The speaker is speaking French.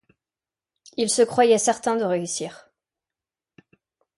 Ils se croyaient certains de réussir.